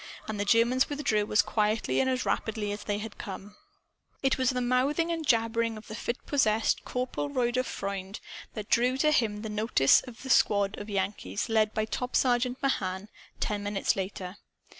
And the Germans withdrew as quietly and as rapidly as they had come. It was the mouthing and jabbering of the fit possessed Corporal Rudolph Freund that drew to him the notice of a squad of Yankees led by Top Sergeant Mahan, ten minutes later.